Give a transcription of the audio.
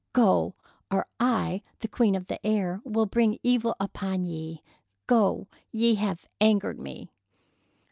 Go, or I, the queen of the air, will bring evil upon ye! Go, ye have angered me!"